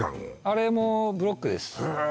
あれもブロックですへえ